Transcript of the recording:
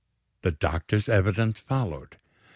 The doctor's evidence followed.